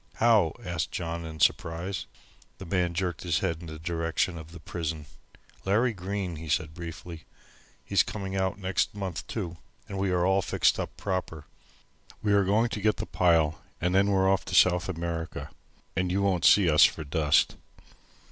"How?" asked John, in surprise. The man jerked his head in the direction of the prison. "Larry Green," he said briefly. "He's coming out next month, too, and we are all fixed up proper. We are going to get the pile and then we're off to South America, and you won't see us for dust."